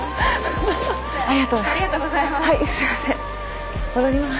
ありがとうございます。